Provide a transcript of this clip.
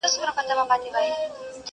سیال له سیال له سره ملګری ښه ښکارېږي!!